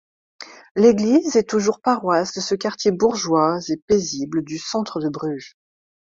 L’église est toujours paroisse de ce quartier bourgeois et paisible du centre de Bruges.